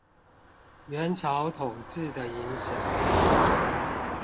元朝統治的影響